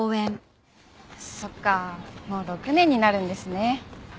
そっかもう６年になるんですね。